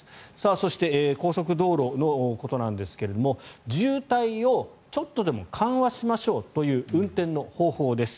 そして高速道路のことなんですが渋滞をちょっとでも緩和しましょうという運転の方法です。